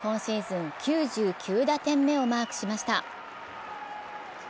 この１打で今シーズン９９打点目をマークしました。